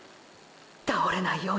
倒れないように！！